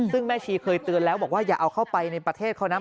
ซึ่งแม่ชีเคยเตือนแล้วบอกว่าอย่าเอาเข้าไปในประเทศเขานะ